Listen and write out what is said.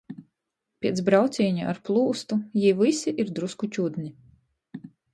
Piec braucīņa ar plūstu jī vysi ir drusku čudni.